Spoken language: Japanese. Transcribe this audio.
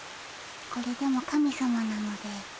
これでも神さまなので。